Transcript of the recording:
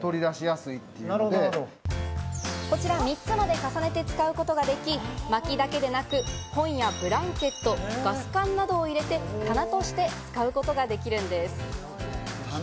こちら３つまで重ねて使うことができ、薪だけでなく、本やブランケット、ガス缶などを入れて、棚として使うことができるんです。